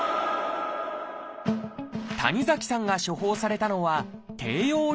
谷崎さんが処方されたのは「低用量ピル」。